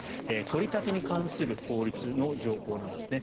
取り立てに関する法律の条項なんですね。